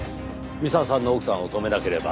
三沢さんの奥さんを止めなければ。